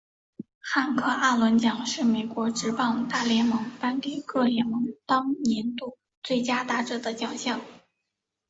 汉克阿伦奖是美国职棒大联盟颁给各联盟当年度最佳打者的奖项。